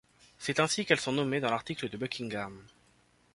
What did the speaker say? C'est ainsi qu'elles sont nommées dans l'article de Buckingham.